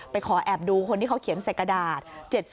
ขอแอบดูคนที่เขาเขียนใส่กระดาษ